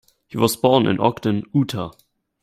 He was born in Ogden, Utah.